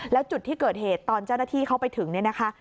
แล้วจุดที่เกิดเหตุตอนเจ้าหน้าที่เข้าไปถึงเนี่ยนะคะ